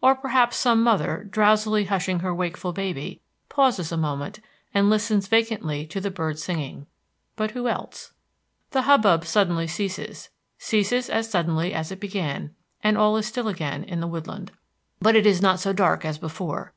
Or perhaps some mother, drowsily hushing her wakeful baby, pauses a moment and listens vacantly to the birds singing. But who else? The hubbub suddenly ceases, ceases as suddenly as it began, and all is still again in the woodland. But it is not so dark as before.